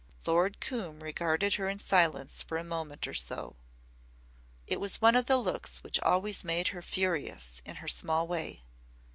Lord Coombe regarded her in silence for a moment or so. It was one of the looks which always made her furious in her small way.